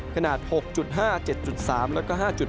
ขณะ๖๕๗๓แล้วก็๕๘